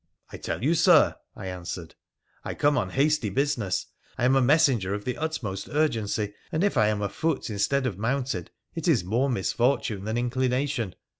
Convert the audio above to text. ' I tell you, Sir,' I answered, ' I come on hasty business ; I am a messenger of the utmost urgency, and if I am afoot instead of mounted it is more misfortune than inclination.